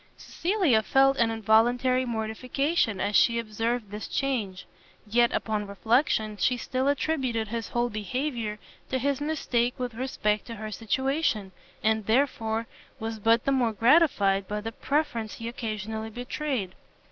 Cecilia felt an involuntary mortification as she observed this change: yet, upon reflection, she still attributed his whole behaviour to his mistake with respect to her situation, and therefore was but the more gratified by the preference he occasionally betrayed.